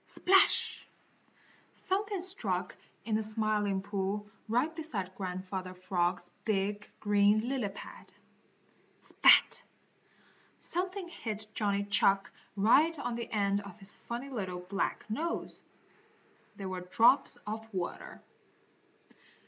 Splash! Something struck in the Smiling Pool right beside Grandfather Frog's big, green, lily pad. Spat! Something hit Johnny Chuck right on the end of his funny little, black nose. They were drops of water.